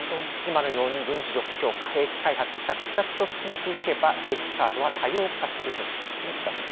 今のように軍事力強化兵器開発を着々と進めていけば兵器カードは多様化するということですね